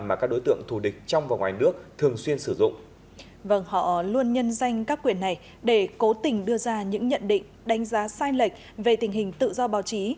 vâng họ luôn nhân danh các quyền này để cố tình đưa ra những nhận định đánh giá sai lệch về tình hình tự do báo chí